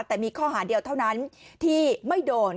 แต่มีข้อหาเดียวเท่านั้นที่ไม่โดน